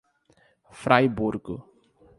Fraiburgo